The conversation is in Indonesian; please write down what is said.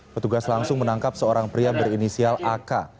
petugas langsung menangkap seorang pria berinisial ak